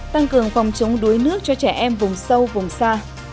tăng cường phòng chống đuối nước cho trẻ em vùng sâu vùng xa